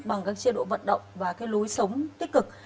bằng các chế độ vận động và cái lối sống tích cực